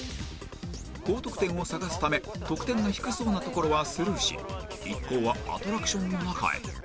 高得点を探すため得点が低そうなところはスルーし一行はアトラクションの中へ